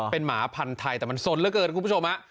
เป็นหมาพันธุ์ไทยแต่มันสนเหลือเกินคุณผู้ชม